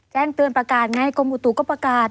แจ้งเตือนประกาศไงกรมอุตุก็ประกาศ